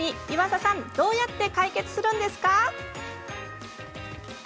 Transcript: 湯浅さん、どうやって解決するのでしょうか？